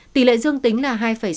tỷ lệ dương tính là hai sáu